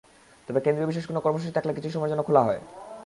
তবে কেন্দ্রীয় বিশেষ কোনো কর্মসূচি থাকলে কিছু সময়ের জন্য খোলা হয়।